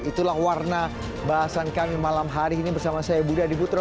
itulah warna bahasan kami malam hari ini bersama saya budi adiputro